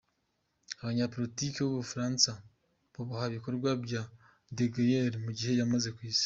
Abanyapolitiki b’u Bufaransa bubaha ibikorwa bya de Gaulle mu gihe yamaze ku Isi.